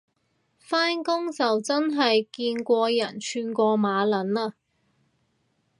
返工就真係見過人串過馬撚嘞